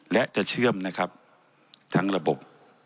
และจะเชื่อมนะครับทั้งระบบ